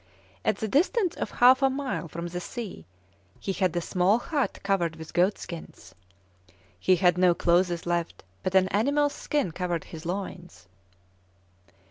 At the distance of half a mile from the sea, he had a small hut covered with goat skins. He had no clothes left, but an animal's skin covered his loins."